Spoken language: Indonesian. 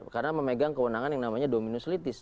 karena memegang kewenangan yang namanya dominus litis